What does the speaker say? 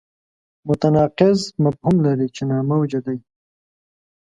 متناقض مفهوم لري چې ناموجه دی.